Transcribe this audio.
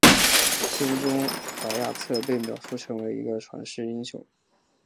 书中怀亚特被描述成为一个传奇英雄。